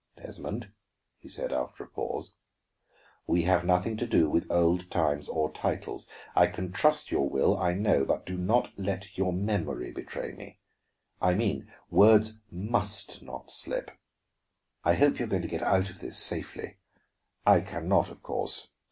"Desmond," he said, after a pause, "we have nothing to do with old times or titles. I can trust your will, I know; but do not let your memory betray me. I mean, words must not slip. I hope you are going to get out of this safely; I can not, of course.